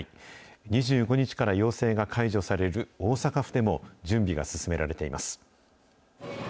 ２５日から要請が解除される大阪府でも、準備が進められています。